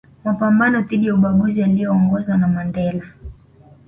mapambano dhidi ya ubaguzi yaliyoongozwa na Mandela